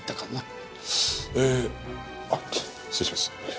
えーあっ失礼します。